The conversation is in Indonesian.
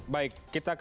baik kita kembali ke